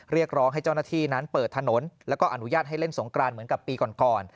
เรียกร้องให้เจ้าหน้าที่นั้นเปิดถนนแล้วก็อนุญาตให้เล่นสงกรานเหมือนกับปีก่อน